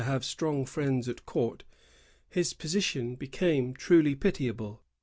76 friends at court, his position became truly pitiable.